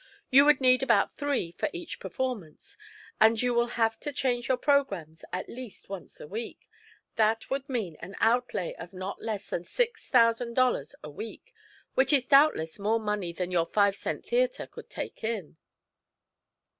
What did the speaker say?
You would need about three for each performance, and you will have to change your programmes at least once a week. That would mean an outlay of not less than six thousand dollars a week, which is doubtless more money than your five cent theatre could take in."